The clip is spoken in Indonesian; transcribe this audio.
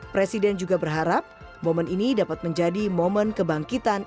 presiden juga berharap momen ini dapat menjadi momen kebangkitan